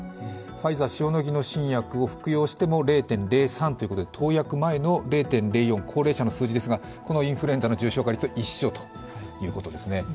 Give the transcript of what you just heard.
ファイザー、塩野義の新薬を服用しても０．０３ということで、投薬前の０．０４、高齢者の数字ですが、インフルエンザの重症化率は一緒ということですね。